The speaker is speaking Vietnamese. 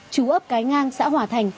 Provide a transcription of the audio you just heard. chú ấp cái ngang xã hòa thành